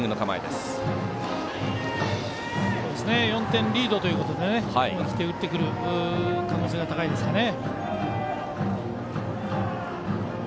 ４点リードということで思い切って打ってくる可能性が高いですかね。